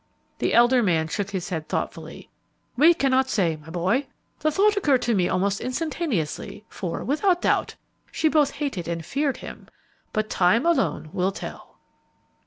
The elder man shook his head thoughtfully. "We cannot say, my boy; the thought occurred to me almost instantaneously, for, without doubt, she both hated and feared him; but time alone will tell."